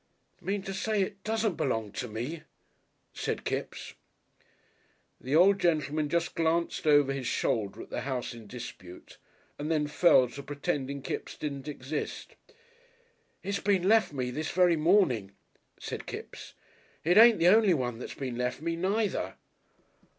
"Mean to say it doesn't belong to me?" said Kipps. The old gentleman just glanced over his shoulder at the house in dispute and then fell to pretending Kipps didn't exist. "It's been lef' me this very morning," said Kipps. "It ain't the only one that's been lef' me, neither."